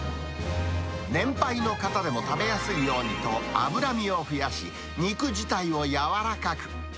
年配の方でも食べやすいようにと脂身を増やし、肉自体を柔らかく。